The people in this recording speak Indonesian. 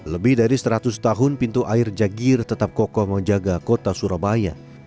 lebih dari seratus tahun pintu air jagir tetap kokoh menjaga kota surabaya